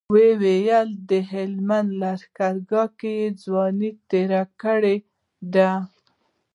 ويې ويل د هلمند لښکرګاه کې ځواني تېره کړې ده.